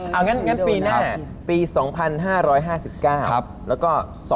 เอางั้นปีหน้าปี๒๕๕๙แล้วก็๒๕๖